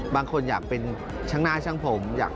บางคนอยากเป็นช่างหน้าช่างผม